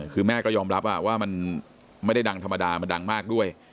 คือแม่ก็ยอมรับว่ามันไม่ได้ดังธรรมดามันดังมากด้วย